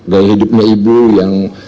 gaya hidupnya ibu yang